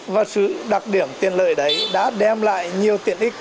và sự đặc điểm tiện lợi đấy đã đem lại nhiều tiện ích